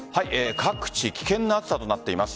各地危険な暑さとなっています。